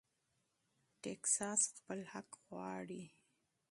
ټیکساس خپل حق غواړي.